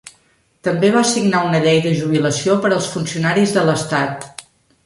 També va signar una llei de jubilació per als funcionaris de l'estat.